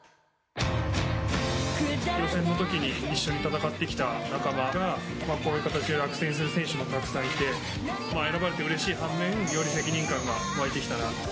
予選の時に一緒に戦ってきた仲間がこういう形で落選する選手もたくさんいて選ばれてうれしい半面より責任感が湧いてきたなと。